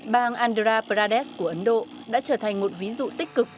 bang andrra pradesh của ấn độ đã trở thành một ví dụ tích cực